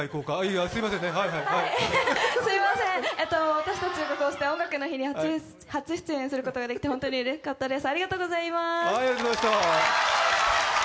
私たちがこうして「音楽の日」に初出演することができてうれしかったです。